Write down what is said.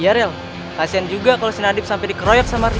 iya rel kasihan juga kalau si nadib sampai dikeroyok sama rdcs